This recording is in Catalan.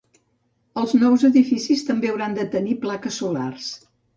Els nous edificis també hauran de tenir plaques solars.